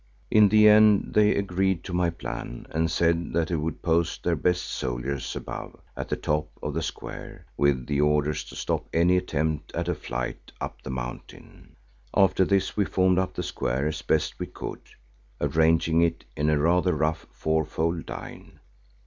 In the end they agreed to my plan and said that they would post their best soldiers above, at the top of the square, with the orders to stop any attempt at a flight up the mountain. After this we formed up the square as best we could, arranging it in a rather rough, four fold line.